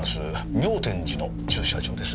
妙典寺の駐車場です。